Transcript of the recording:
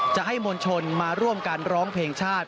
จะให้มวลชนมาร่วมกันร้องเพลงชาติ